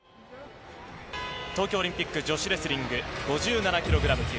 東京オリンピック女子レスリング５７キログラム級。